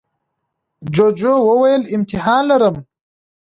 جوجو وویل امتحان لرم.